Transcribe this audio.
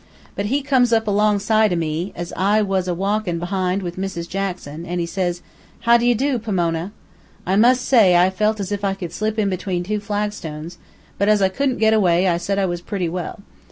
But he comes up alongside o' me, as I was a' walkin' behind with Mrs. Jackson, an' says he: 'How d'ye do, Pomona?' I must say I felt as if I could slip in between two flagstones, but as I couldn't get away, I said I was pretty well.